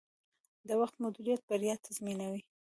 د وخت مدیریت بریا تضمینوي.